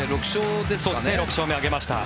６勝を挙げました。